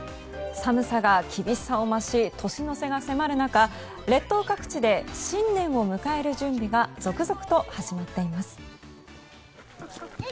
寒さが厳しさを増し年の瀬が迫る中、列島各地で新年を迎える準備が続々と始まっています。